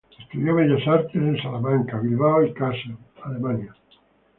Estudió Bellas Artes en la Salamanca, Bilbao y Kassel, Alemania.